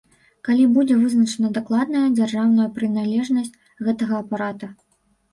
Калі будзе вызначаная дакладная дзяржаўная прыналежнасць гэтага апарата.